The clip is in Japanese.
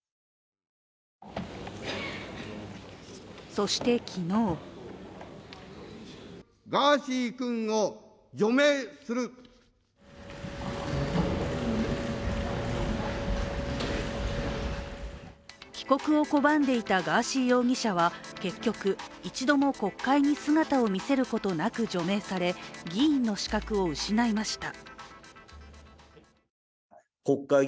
そして昨日帰国を拒んでいたガーシー容疑者は結局、一度も国会に姿を見せることなく除名され議員の資格を失いました。